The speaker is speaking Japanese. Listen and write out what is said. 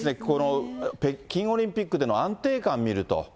この北京オリンピックでの安定感見ると。